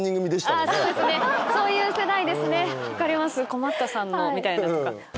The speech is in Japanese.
『こまったさんの』みたいなのとか。